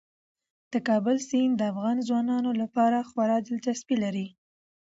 د کابل سیند د افغان ځوانانو لپاره خورا دلچسپي لري.